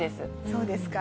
そうですか。